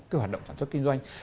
cái hoạt động sản xuất kinh doanh